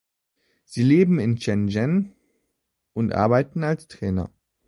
Sie leben in Shenzhen und arbeiten als Trainer.